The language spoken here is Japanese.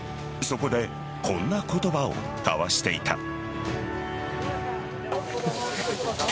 そこでこんな言葉を交わしていた。